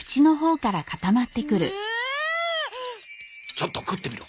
ちょっと食ってみろ。